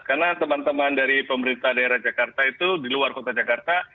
karena teman teman dari pemerintah daerah jakarta itu di luar kota jakarta